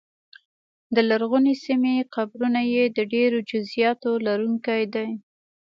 د لرغونې سیمې قبرونه یې د ډېرو جزییاتو لرونکي دي